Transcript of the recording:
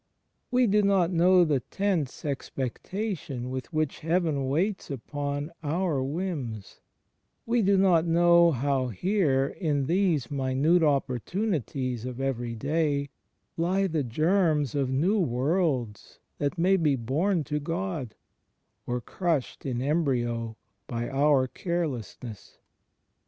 We do not know the tense expectation with which Heaven waits upon our whims: we do not know how here, in these minute opportimities of every day, lie the germs of new worlds that may be bom to God, or crushed in embryo by our carelessness.